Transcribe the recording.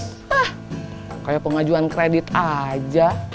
kayak pengajuan kredit aja